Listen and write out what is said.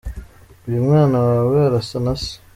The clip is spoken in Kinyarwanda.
Uyu mwana wawe arasa na se !.